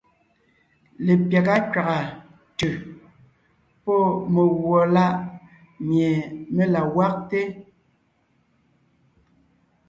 Lepyága kẅàga ntʉ̀ pɔ́ megùɔ láʼ mie mé la gwagte.